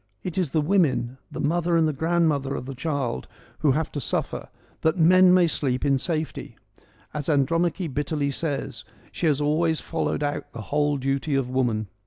It is the women, the mother and grandmother of the child, who have to suffer, that men may sleep in safety. As Andromache bitterly says, she has always followed out the whole duty of woman.